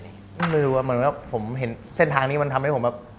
ไม่รู้ว่าเหมือนกับผมเห็นเส้นทางนี้มันทำให้ผมแบบ